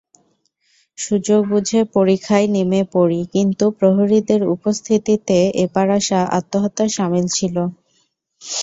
সুযোগ বুঝে পরিখায় নেমে পড়ি, কিন্তু প্রহরীদের উপস্থিতিতে এপার আসা আত্মহত্যার শামিল ছিল।